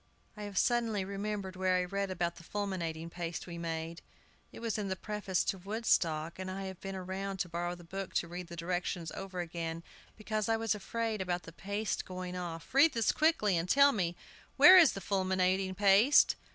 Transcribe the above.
"I have suddenly remembered where I read about the 'fulminating paste' we made. It was in the preface to 'Woodstock,' and I have been round to borrow the book to read the directions over again, because I was afraid about the 'paste' going off. READ THIS QUICKLY! and tell me, Where is the fulminating paste?"